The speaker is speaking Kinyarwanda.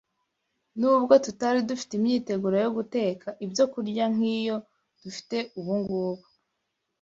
nubwo tutari dufite imyiteguro yo guteka ibyokurya nk’iyo dufite ubungubu